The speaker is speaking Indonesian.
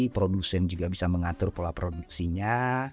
produsen juga bisa mengatur pola produksinya